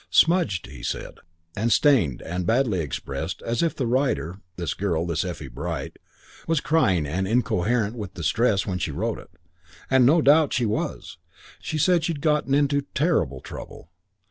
Smudged, he said, and stained and badly expressed as if the writer this girl this Effie Bright was crying and incoherent with distress when she wrote it. And she no doubt was. She said she'd got into terrible trouble.